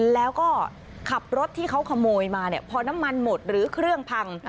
แล้วก็ขับรถที่เขาขโมยมาเนี่ยพอน้ำมันหมดหรือเครื่องพัง